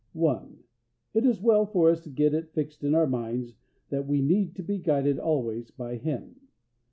1. It is well for us to get it fixed in our minds that we need to be guided always by Him.